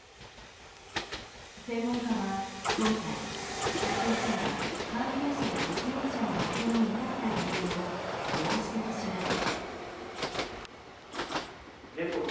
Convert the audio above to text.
専門家は今回、北朝鮮が感染者や発熱者の発表に至った理由をこう指摘します。